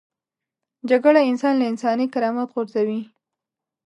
جګړه انسان له انساني کرامت غورځوي